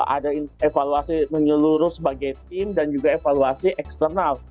ada evaluasi menyeluruh sebagai tim dan juga evaluasi eksternal